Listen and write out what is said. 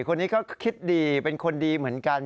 คนนี้ก็คิดดีเป็นคนดีเหมือนกัน